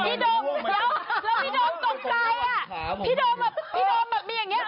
พี่โดมแบบพี่โดมแบบมีอย่างนี้